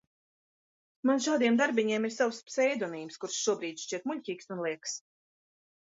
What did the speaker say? Man šādiem darbiņiem ir savs pseidonīms, kurš šobrīd šķiet muļķīgs un lieks.